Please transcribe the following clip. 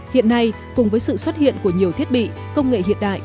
hiện nay cùng với sự xuất hiện của nhiều thiết bị công nghệ hiện đại